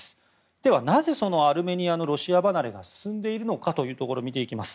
ではなぜアルメニアのロシア離れが進んでいるのかを見ていきます。